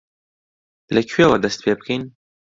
لەکوێوە دەست پێ بکەین؟